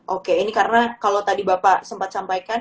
oke ini karena kalau tadi bapak sempat sampaikan